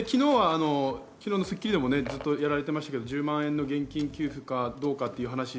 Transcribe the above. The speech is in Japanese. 昨日の『スッキリ』でもやってましたが、１０万円の現金給付かどうかという話。